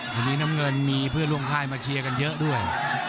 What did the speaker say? วันนี้น้ำเงินมีเพื่อนร่วมค่ายมาเชียร์กันเยอะด้วย